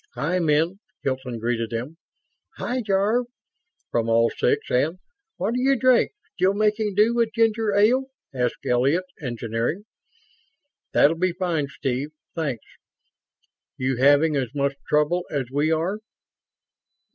"Hi, men," Hilton greeted them. "Hi, Jarve," from all six, and: "What'll you drink? Still making do with ginger ale?" asked Elliott (Engineering). "That'll be fine, Steve. Thanks. You having as much trouble as we are?"